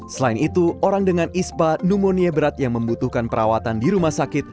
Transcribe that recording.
selain itu orang dengan ispa pneumonia berat yang membutuhkan perawatan di rumah sakit